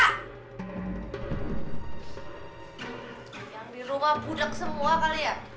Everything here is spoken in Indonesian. yang di rumah pudek semua kali ya